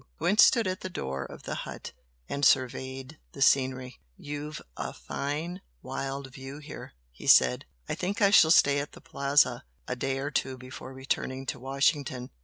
Gwent stood at the door of the hut and surveyed the scenery. "You've a fine, wild view here" he said "I think I shall stay at the Plaza a day or two before returning to Washington.